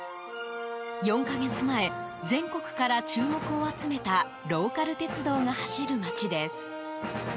４か月前、全国から注目を集めたローカル鉄道が走る町です。